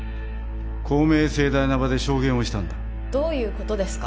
公明正大な場で証言をしたんだどういうことですか？